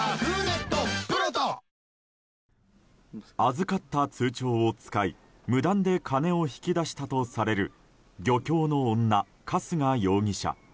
預かった通帳を使い無断で金を引き出したとされる漁協の女、春日容疑者。